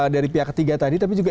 dari pihak ketiga tadi tapi juga